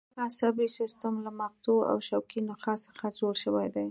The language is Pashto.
عصبي سیستم له مغزو او شوکي نخاع څخه جوړ شوی دی